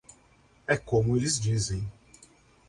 É como eles dizem.